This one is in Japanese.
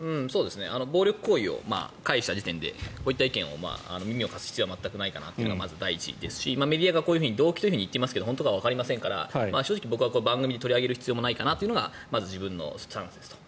暴力行為を介した時点でこういった意見に耳を貸す必要はないかなというのが第一ですしメディアがこういうふうに動機といっていますが本当かどうかわかりませんが正直僕は番組で取り上げる必要もないかなというのが自分のスタンスですと。